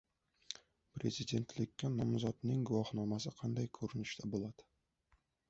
Prezidentlikka nomzodning guvohnomasi qanday ko‘rinishda bo‘ladi?